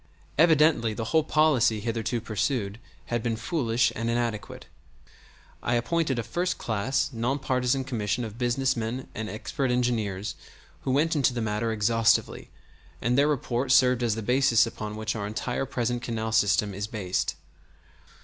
Evidently the whole policy hitherto pursued had been foolish and inadequate. I appointed a first class non partisan commission of business men and expert engineers who went into the matter exhaustively, and their report served as the basis upon which our entire present canal system is based.